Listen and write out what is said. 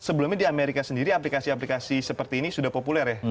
dan sebelumnya di amerika sendiri aplikasi aplikasi seperti ini sudah populer ya